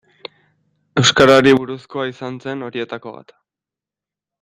Euskarari buruzkoa izan zen horietako bat.